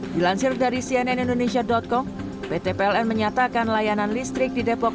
dilansir dari cnn indonesia com pt pln menyatakan layanan listrik di depok